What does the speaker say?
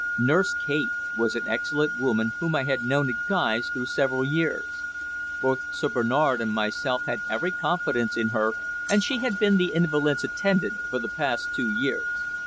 Nurse Kate was an excellent woman whom I had known at Guy's through several years. Both Sir Bernard and myself had every confidence in her, and she had been the invalid's attendant for the past two years.